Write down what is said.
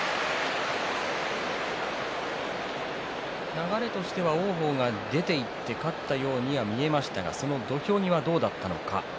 流れとしては王鵬が出ていって勝ったようには見えましたがその土俵際どうだったのか。